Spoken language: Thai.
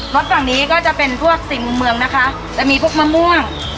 รถฝั่งนี้ก็จะเป็นพวกสิ่งมุมเมืองนะคะจะมีพวกมะม่วง